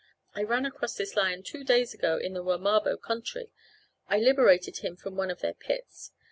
I ran across this lion two days ago in the Wamabo country. I liberated him from one of their pits.